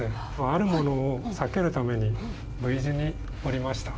あるものを避けるために、Ｖ字に掘りました。